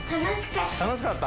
楽しかった？